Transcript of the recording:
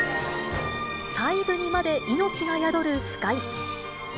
細部にまで命が宿る腐海。